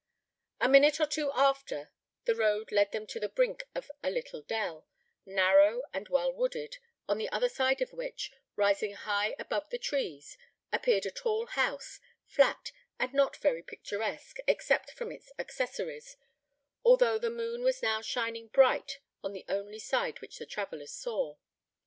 A minute or two after, the road led them to the brink of a little dell, narrow, and well wooded, on the other side of which, rising high above the trees, appeared a tall house, flat, and not very picturesque, except from its accessories, although the moon was now shining bright on the only side which the travellers saw.